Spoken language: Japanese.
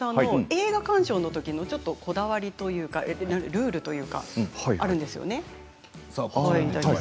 映画鑑賞のときのこだわりというかルールがあるんですよね。